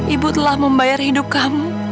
ibu telah membayar hidup kamu